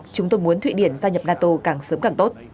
chúng tôi muốn thụy điển gia nhập nato càng sớm càng tốt